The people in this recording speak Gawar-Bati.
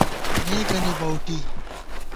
نېکَنی بَؤٹی